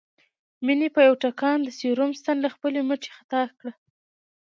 مينې په يوه ټکان د سيروم ستن له خپلې مټې خطا کړه